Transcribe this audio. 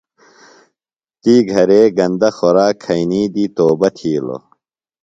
تی گھرے گندہ خوراک کھئینی دی توبہ تِھیلوۡ۔